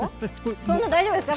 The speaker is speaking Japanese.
そんな、大丈夫ですか？